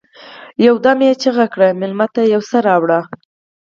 يودم يې چيغه کړه: مېلمه ته يو څه راوړئ!